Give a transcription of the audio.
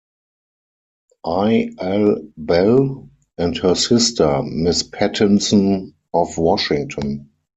I. L. Bell, and her sister, Miss Pattinson of Washington.